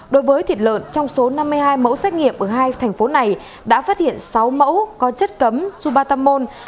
đối với thịt lợn trong số năm mươi hai mẫu xét nghiệm ở hai thành phố này đã phát hiện sáu mẫu có chất cấm subatamol